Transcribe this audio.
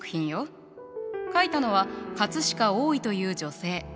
描いたのは飾応為という女性。